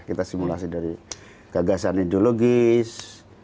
kita simulasi dari gagasan ideologis